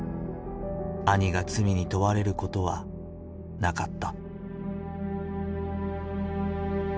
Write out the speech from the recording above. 兄が罪に問われることはなかった。